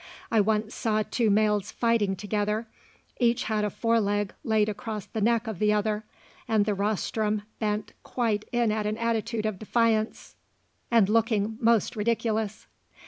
I once saw two males fighting together; each had a fore leg laid across the neck of the other, and the rostrum bent quite in an attitude of defiance, and looking most ridiculous.